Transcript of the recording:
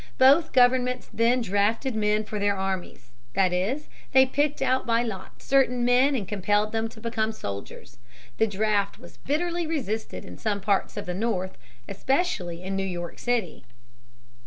Both governments then drafted men for their armies; that is, they picked out by lot certain men and compelled them to become soldiers. The draft was bitterly resisted in some parts of the North, especially in New York City.